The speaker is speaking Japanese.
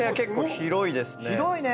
広いね！